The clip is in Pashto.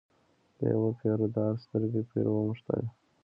د یوه پیره دار سترګې پر وموښتې.